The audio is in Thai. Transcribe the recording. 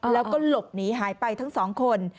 แล้วก็หลบหนีหายไปทั้งสองคน